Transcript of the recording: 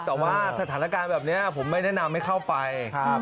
แต่ว่าสถานการณ์แบบนี้ผมไม่แนะนำให้เข้าไป